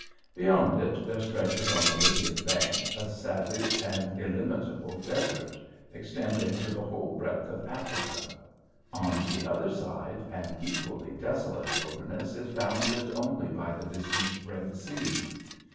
Beyond it there stretches on the Libyan bank a savage and illimitable desert, extending to the whole breadth of Africa. On the other side an equally desolate wilderness is bounded only by the distant Red Sea.